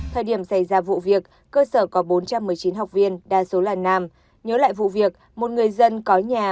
thời điểm xảy ra vụ việc cơ sở có bốn trăm một mươi chín học viên đa số là nam nhớ lại vụ việc một người dân có nhà